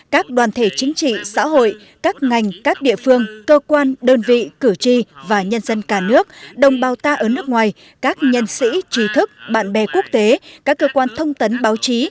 các đoàn thể chính trị xã hội các ngành các địa phương cơ quan đơn vị cử tri và nhân dân cả nước đồng bào ta ở nước ngoài các nhân sĩ trí thức bạn bè quốc tế các cơ quan thông tấn báo chí